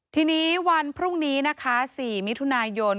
ทีนี้วันพรุ่งนี้นะคะ๔มิถุนายน